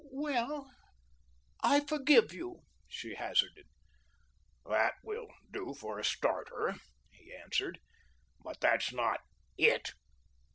"Well I forgive you," she hazarded. "That will do for a starter," he answered. "But that's not IT."